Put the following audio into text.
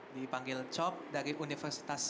dipanggil cok dari universitas